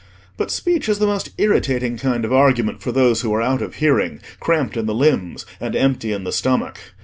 But speech is the most irritating kind of argument for those who are out of hearing, cramped in the limbs, and empty in the stomach.